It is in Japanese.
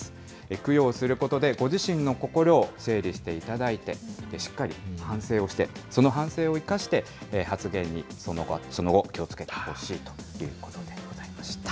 供養することで、ご自身の心を整理していただいて、しっかり反省をして、その反省を生かして、発言にその後、気をつけてほしいということでございました。